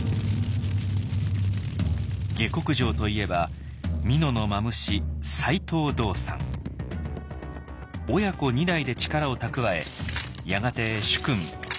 下剋上といえば親子二代で力を蓄えやがて主君土岐頼芸を追放。